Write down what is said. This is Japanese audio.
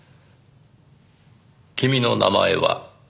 君の名前は？